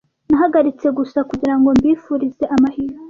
Nahagaritse gusa kugirango mbifurije amahirwe.